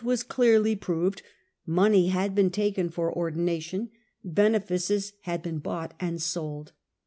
75 was clearly proved : money had been taken for ordina tion, benefices had been bought and sold.